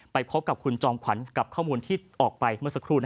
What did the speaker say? พบกับคุณจอมขวัญกับข้อมูลที่ออกไปเมื่อสักครู่